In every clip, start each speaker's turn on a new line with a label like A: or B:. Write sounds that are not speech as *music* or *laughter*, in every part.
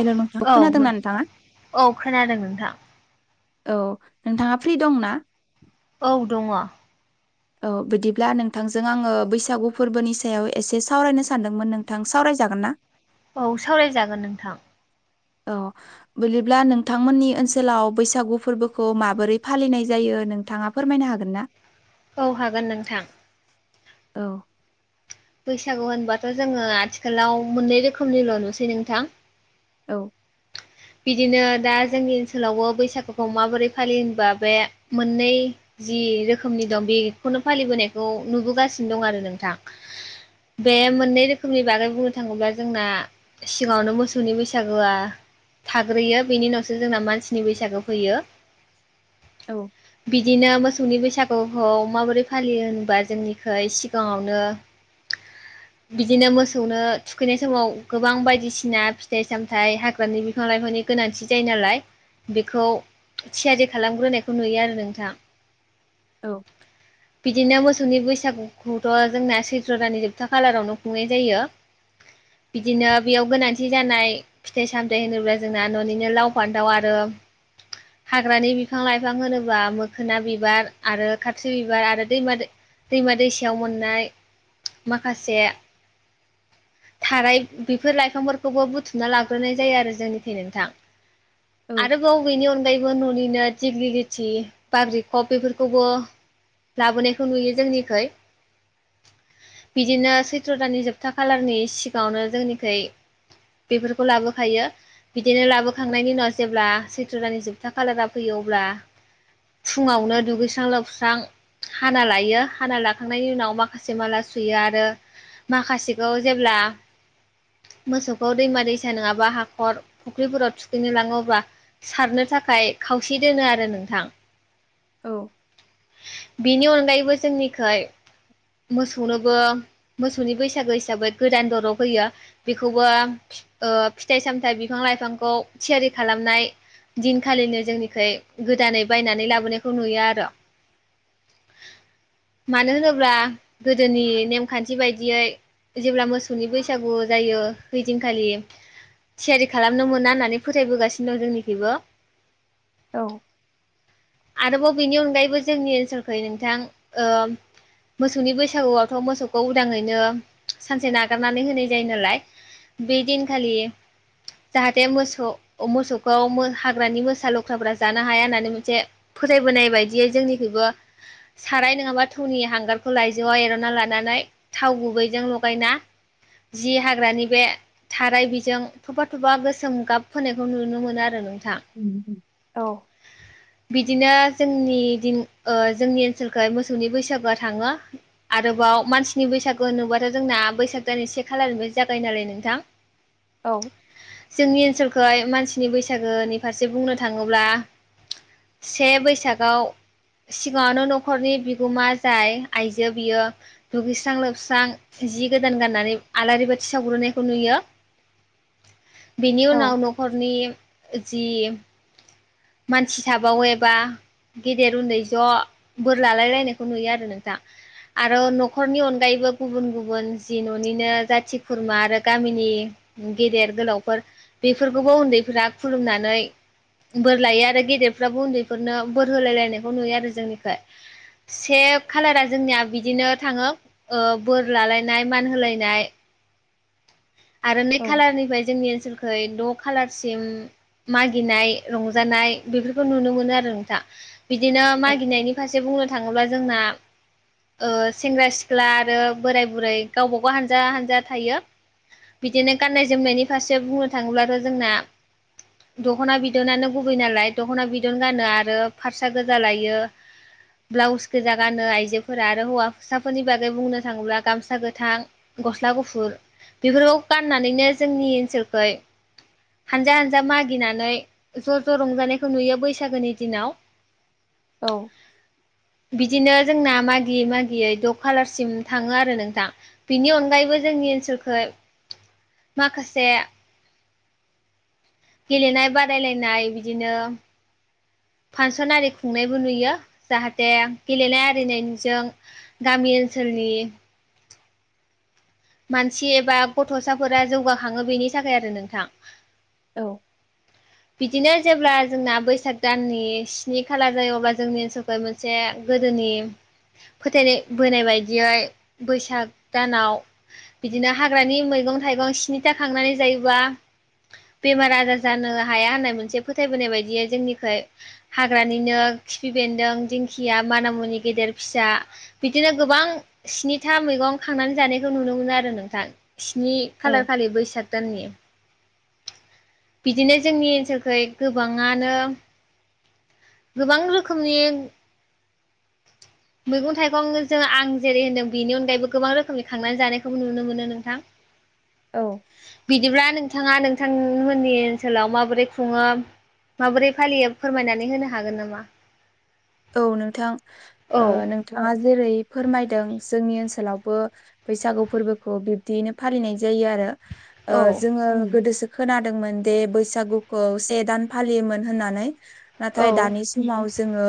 A: हेर' नोंथां *inaudible*
B: औ नों
A: खोनादोंना नोंथाङा?
B: औ खोनादों नोंथां
A: औ नोंथाङा फ्रि दंना?
B: औ दङ'।
A: औ बिदिब्ला नोंथांजों आङो बैसागु फोरबोनि सायाव एसे सावरायनो सानदोंमोन नोंथां सावराय जागोन ना?
B: औ सावराय जागोन नोंथां।
A: औ बदिब्ला नोंथांमोननि ओनसोलाव बैसागु फोरबोखौ माबोरै फालिनाय जायो। नोंथाङा फोरमायनो हागोन ना?
B: औ हागोन नोंथां।
A: औ।
B: बैसागु होनबाथ' जोङो आथिखालाव मोननै रोखोमनिल' नुसै नोंथां।
A: औ
B: बिदिनो दा जोंनि ओनसोलावबो बैसागुखौ माबोरै फालियो होनबा बे मोननै। जि रोखोमनि दं बेखौनो फालिबोनायखौ नुबोगासिनो दं आरो नोंथां बे मोननै रोखोमनि बागै बुंनो थाङोब्ला जोंना सिगाङावनो मोसौनि बैसागोआ थाग्रोयो बेनि उनावसो जोंना मानसिनि बैसागो फैयो।
A: औ
B: बिदिनो मोसौनि बैसागुखौ माबोरै फालियो होनोबा जोंनिखै सिगाङावनो
A: *inaudible*
B: बिदिनो मोसौनो थुखैनाय समाव गोबां बायदिसिना फिथाइ सामथाइ हाग्रानि लाइफांनि गोनांथि जायो नालाय बेखौ थियारि खालामग्रोनायखौ नुयो आरो नोंथाङा
A: औ
B: बिदिनो मोसौनि बैसागुखौथ' जोंना सैथ्र' दानानि जोबथा खालारावनो खुंनाय जायो बिदिनो बेयाव गोनांथि जानाय फिथाइ सामथाय होनोब जोंना न'निनो लाव फान्थाव आरो हाग्रानि बिफां लाइफां होनोबा मोखोना बिबार आरो खाथ्रि बिबार आरो दैमा दै दैमा दैसायाव मोननाय माखासे थाराय बेफोर लाइफांफोरखौबो बुथुमना लाग्रोनाय जायो आरो जोंनि नोंथां
A: औ
B: आरोबाव बेनि अनगायैबो न'निनो जिगिलि गिथि बाब्रि खब बेफोरखौबो लाबोनायखौ नुयो जोंनिखै बिदिनो सैत्र' दानानि जोबथा खालारनि सिगाङावनो जोंनिखै बेफोरखौ लाबोफायो बिदिनो लाबोखांनायनि उनाव जेब्ला सैथ्र दानि जोबथा खालारा फैयो अब्ला फुङावनो दुगैस्रां लोबस्रां हाना लायो हाना लाखांनायनि उनाव माखासे माला सुयो आरो माखासेखौ जेब्ला मोसौखौ दैमा दैसा नङाबा हाखर फुख्रिफोराव थुखैनो लाङोब्ला सारनो थाखाय खावसे दोनो आरो नोंथां
A: औ
B: बिनि अनगायैबो जोंनिख मोसौनोबो मोसौनि बैसागो हिसाबै गोदान दरब होयो बेखौबो फिथाइ सामथाइ बिफां लाइफांखौ थियारि खालामनाय दिनखालिनो जोंनिखाय गोदानै बायनानै लाबोनायखौ नुयो आरो
A: *inaudible*
B: मानो होनोब्ला गोदोनि नेमखान्थि बायदियै जेब्ला मोसौनि बैसागु जायो इदिनखालि थियारि खालामनो मोना होननानै फोथायबोगासिनो दं जोंनिखबो
A: औ
B: आरोबाव बिनि अनगायैबो बो जोंनि ओनसोलखै नोंथां मोसौनि बैसागुआवथ' मोसौखौ उदाङैनो सानसे नागारनानै होनाय जायो नालाय बेदिन खालियो जाहाथे मोसौ मोसौखौ हाग्रानि मोसा लख्राफ्रा जानो हाया होननानै मोनसे फोथायबोनाय बायदियै जोंनिख्रुइबो साराय नङाबा थौनि हांगारखौ लाइजौआव एर'ना लानानै थाव गुबैजों लगायना जि हाग्रानि बे थाराय बेजों थफा थ'फा गोसोम गाब फोनायखौ नुनो मोनो आरो नों
A: औ
B: बिदिनो जोंनि दिन जोंनि ओनसोलख मोसौनि बैसागोआ थाङो आरोबाव मानसिनि बैसागु होनोबाथ' जोंना बैसाग दान से खालारनिफ्राय जागायो नालाय नोंथां
A: *inaudible*
B: जोंनि ओनसोलखाय मानसिनि बैसागोनि फारसे बुंनो थाङोब्ला से बैसागआव सिगाङावनो न'खरनि बिगोमा जाय आइजो बियो दुगैस्रां लोबस्रां जि गोदान गाननानै आलारि बाथि सावग्रोनायखौ नुयो
A: *inaudible*
B: बिनि
A: औ
B: उनाव न'खरनि जि मानसि थाबावोबा गेदेर उन्दै ज' बोर लालायलायनायखौ नुयो आरो नोंथां आरो न'खरनि अनगायैबो गुबुन गुबुन जि न'निनो जाथि खुरमा आरो गामिनि गेदेर गोलावफोर बेफोरखौबो उन्दैफोरा्रा खुलुमनानै
A: *inaudible*
B: बोर लायो आरो गेदेरफ्राबो उन्दैफोरनो बोर होलाय लायनायखौ नुयो आरो जोंनिफ्राय से खालारा जोंनिया बिदिनो थाङो बोर लालायनाय मान होलायनाय आरो नै खालारनिफ्राय जोंनि ओनसोलख द' खालारसिम मागिनाय रंजानाय बेफोरखौ नुनो मोनो आरो नोंथां बिदिनो मागिनायनि फारसे बुंनो थाङोब्ला जोंना ओ सेंग्रा सिख्ला आरो बोराय बुरै गावबागाव हानजा हानजा थायो। बिदिनो गाननाय जोमनायनि फारसे बुंनो थाङोब्लाथ' जोंना दख'ना बिदनानो गुबै नालाय दख'ना बिदन गानो आरो फारसा गोजा लायो। ब्लाउस गोजा गानो आइजोफोरा आरो हौवा हिसाफोरनि बागै बुंनो थाङोब्ला गामसा गोथां गस्ला गुफुर बेफोरखौ गाननानैनो जोंनि ओनसोलखै हानजा हानजा मागिनानै ज' ज' रंजानायखौ नुयो बैसागोनि दिनाव
A: औ
B: बिदिनो जोंना मागियै मागियै द' खालारसिम थाङो आरो नोंथां बिनि अनगायैबो जों जोंनि ओनसोलखै माखासे गेलेनाय बादायलायनाय बिदिनो
A: *inaudible*
B: फांसन आरि खुंनायबो नुयो जाहाथे गेलेनाय आरिनायजों गामि ओनसोल नि मानसि एबा गथ'साफोरा जौगाखाङो बेनि थाखाय आरो नोंथां
A: औ
B: बिदिनो जेब्ला जोंना बैसाग दाननि स्नि खालार जायो अब्ला जोंनि ओनसोलखौ मोनसे गो दोनि फोथायनाय बोनाय बायदियै बैसाग दानाव बिदिनो हाग्रानि मैगं थाइगं स्निथा खांनानै जायोबा बेमार आजार जानो हाया होननाय मोनसे फोथायबोनाय बायदियै जोंनिख हाग्रानिनो खिफि बेन्दों दिंखिया माना मुनि गेदेर फिसा बिदिनो गोबां स्निथा मैगं खांनानै जानायखौ नुनो मोनो आरो नोंथां स्नि खालार खालि बैसाग दाननि बिदिनो जोंनि ओनसोलखै गोबाङानो गोबां रोखोमनि
A: *inaudible*
B: मैगं थाइगंजों आं जेरै होनदों बेनि अनगायैबो गोबां रोखोमनि खांनानै जानायखौबो नुनो मोनो नोंथां
A: औ
B: बिदिब्ला नोंथाङा नोंथांमोननि ओनसोलाव माबोरै खुङो माबोरै फालियो फोरमायनानै होनो हागोन नामा?
A: औ नोंथां
B: औ
A: ओ नोंथाङा जेरै फोरमायदों जोंनि ओनसोलावबो बैसागु फोरबोखौ बिब्दियैनो फालिनाय जायो आरो
B: औ
A: ओ जोङो गोदोसो खोनादोंमोन दे बैसागुखौ से दान फालियोमोन होननानै
B: औ
A: नाथाय दानि समाव जोङो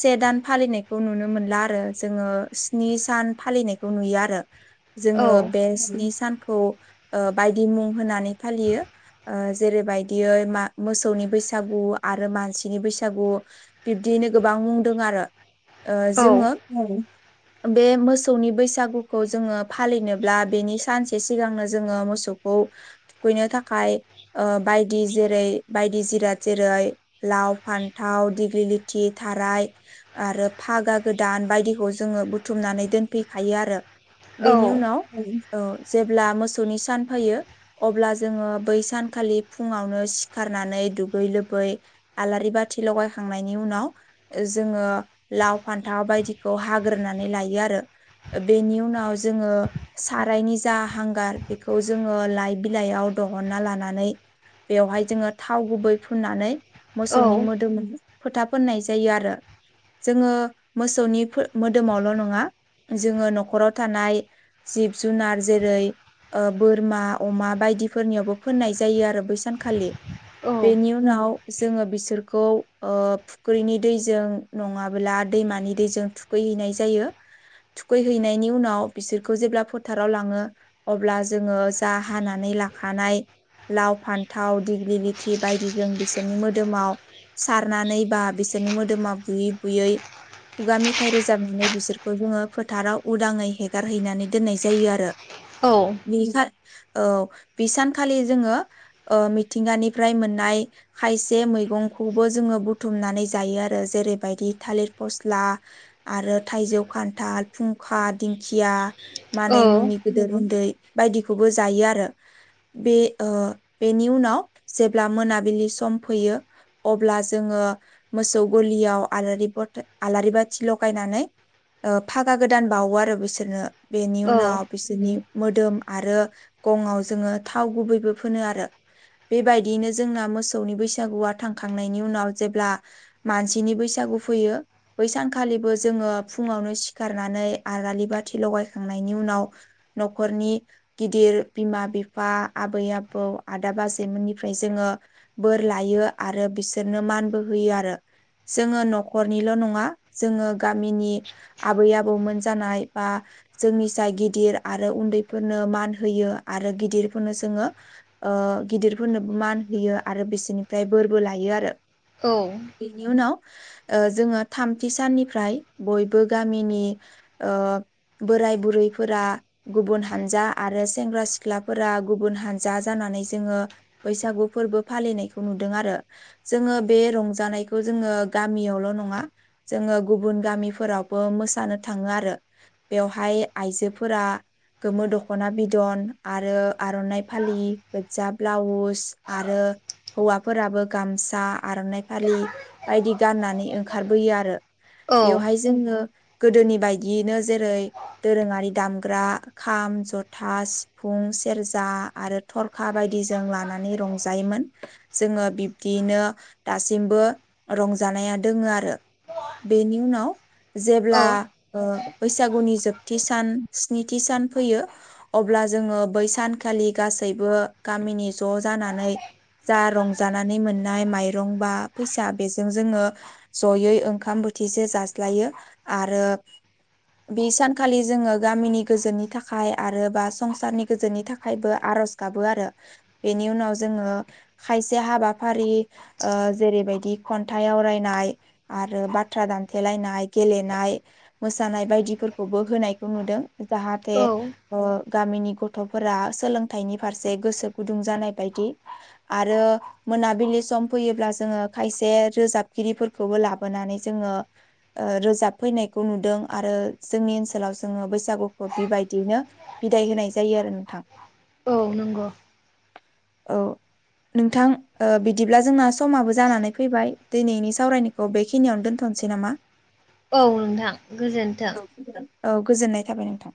A: से दान फालिनायखौ नुनो मोनला आरो जोङो स्नि सान फालिनायखौ नुयो आरो जोङो बे स्नि सान खौ बायदि मुं होनानै फालियो जेरैबायदियै मोसौनि बैसा गु आरो मानसिनि बैसागु बिदियैनो गो बां बुंदों आरो
B: औ
A: जोङो बे मोसौनि बैसागुखौ जोङो फालिनोब्ला बेनि सानसे सिगांनो जोङो मोसौ खौ थुखैनो थाखाय बायदि जेरै बायदि जिराद जेरै लाव फान्थाव दिगिलिथि थाराय आरो फागा गोदान बायदिखौ जोङो बुथुमनानै दोनफैखायो आरो
B: औ
A: बेनि उनाव जेब्ला मोसौनि सान फैयो अब्ला जोङो बै सानखालि फुङावनो सिखारनानै दुगै लोबै आलारि बाथि लगायखांनायनि उनाव जोङो लाव फान्थाव बायदिखौ हाग्रोनानै लायो आरो बेनि उनाव उाव जोङो सारायनि जा हांगार बेखौ जोङो लाइ बिलाइयाव दहनना लानानै जोङाव गुबै फुननानै
B: औ
A: मोसौनि मोदोमै फोथ फोननाय जायो आरो जोङो मोसौनि मोदोमावल' नङा जोङो न'खराव थानाय जिब जुनार जेरै बोरमा अमा बायदिफोरनियावबो फोननाय जायो आरो बै सानखालि
B: औ
A: बेनि उनाव जोङो बिसोरखौ फुख्रिनि दैजों नङाब्ला दैमानि दैजों थुखैहैनाय जायो थुखैहैनायनि उनाव बिसोरखौ जेब्ला फोथाराव लाङो अब्ला जोङो जा हानानै लाखानाय लाव फान्थाव दिग्लि लथि बायदिजों बिसोरनि मोदोमाव सारनानै बा बिसोरनि मोदोमा बुयै बुयै खुगा मेथाइ रोजाबनानै बिसोरखौ जोङो फोथाराव उदाङै हेगारहैनानै दोननाय जायो आरो बि औ बि सानखालि जोङो मिथिंगानिफ्राय मोननाय खायसे मैगं खौबो जोो बुथुमनानै जायो आरो जेरैबायदि थालिर फस आरो थजौ खान्थाल फुंखा खिया
B: औ
A: मानै मुनि गेदेर उन्दै बायदिखौबो जायो आरो बे बेनि उनाव जेब्ला मोनाबिलि सम फैयो अब्ला जोङो मोसौ गलियाव आलारि ब आलारि बाथि लगायनानै फागा गोदान बावो आरो बिसोरनो बेनि उनाव बिसोरनि मोदोम आरो गंआव जोङो थाव गुबैबो फोनो आरो बेबायदियैनो जोंना मोसौनि बैसागुआ थांखांनायनि उनाव जेब्ला मानसिनि बैसागु फैयो बैसानखालिबो जोङो फुङावनो सिखारनानै आरो बाथि लगायखांनायनि उनाव न'खरनि गिदिर बिमा बिफा आबै बि आबौ आदा बाजैमोननिफ्राय जोङो बोर लायो आरो बिसोरनो मानबो हो होयो आरो जोङो न'खरनिल' नङा जोङो गामिनि आबै आबौ मोनसे जानाय बा जोंनि ज गिदिर आरो उन्दैफोरनो मान होयो आरो गिदिरफोरनो जोङो ओ गिदिरफोरनोबो मान होयो आरो बिसोरनिफ्राय बोरबो लायो आरो बेनि उनाव जोङो थामथि साननिफ्राय बयबो गामिनि बोराय बुरैफोरा गुबुन हानजा आरो सेंग्रा सिख्लाफोरा गुबुन हानजा जानांग ज बैसु फोरबो फालिनाय नु ज बे रंजानायखौ जोङो गामियावल' नङा जोङो गुबुन गामिफोरावबो मोसानो थ थाङो आरो बेवहाय आइजोफोरा गोमो दख'ना बिदन आरो आर'नाइ फालि गोज्जा ब्लाउस आरो हौवाफोराबो गामसा आर'नाइ फालि बायदि गाननानै ओंखारबोयो आरो बेवहाय जोङो गोदोनि बायदियैनो जेरै दोरोङारि दामग्रा खाम जथा सिफुं सेरजा आरो थरखा बायदिजों लानानै रंजायोमोन जोङो बिब्दियैनो दासिमबो रंजानाया दोङो आरो बेनि उनाव
B: औ
A: जेब्ला बैसागुनि जोबथि सान स्निथि सान फैयो अब्ला जोङो बै सानखालि गासै। गासैबो गामिनि ज' जानानै जा रंजानानै मोननाय म माइरंबा फैसा बेजों जोङो जयै ओंखाम बोथिसे जाज्लायो आरो। *inaudible* बे सानखालि जोङो गामिनि गोजोननि थाखाय आरो बा संसारनि गोजोननि थाखायबो आरो। आरज गाबो आरो बेनि उनाव जोङो खायसे हाबाफारि। जेरैबायदि खन्थाइ आवरायनाय आरो बाथ्रा दानथेलायनाय गेलेनाय। मोसानाय बायदिफोरखौबो होनायखौ नुदों जाहाथे।
B: औ
A: गामिनि गथ'फोरा सोलोंथाइनि फारसे गोसो गुदुं जानाय बायदि आरो। मोनाबिलि सम फैयोब्ला जोङो खायसे रोजाबगिरिफोरखौबो लाबोनानै जोङो रोजाब फैनाय। खौ नुदों आरो जोंनि ओनसोलाव जोङो बैसागुखौ बिबायदियैनो बिदाय होनाय जायो आरो नोंथां।
B: औ नंगौ।
A: औ। नोंथां बिदिब्ला जोंना समाबो जानानै फैबाय दिनैनि सावरायनायखौ बेखिनियावनो दोन्थ'। नोसै आरोना।
B: औ नोंथां गोजोन्थों।
A: औ गोजोननाय थाबाय नोंथां।